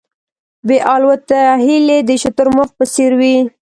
بې الوته هیلۍ د شتر مرغ په څېر وې.